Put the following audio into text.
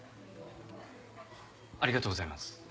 ありがとうございます。